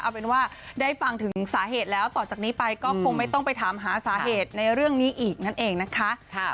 เอาเป็นว่าได้ฟังถึงสาเหตุแล้วต่อจากนี้ไปก็คงไม่ต้องไปถามหาสาเหตุในเรื่องนี้อีกนั่นเองนะคะ